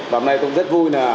và hôm nay tôi cũng rất vui